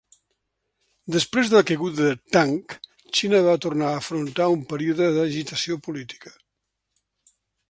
Després de la caiguda de Tang, Xina va tornar a afrontar un període d'agitació política.